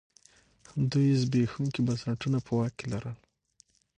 دوی زبېښونکي بنسټونه په واک کې لرل.